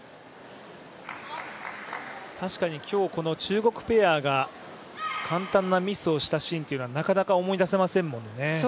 確かに今日、この中国ペアが簡単なミスをしたシーンはなかなか思い出せませんものね。